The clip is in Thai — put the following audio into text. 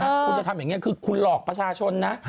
คุณจะทำอย่างนี้คือคุณหลอกประชาชนนะ